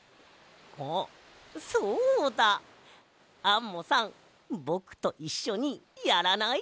アンモさんぼくといっしょにやらない？